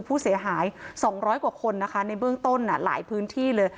ผู้เสียหาย๒๐๐กว่าคนนะคะในเบื้องต้นหลายพื้นที่เลย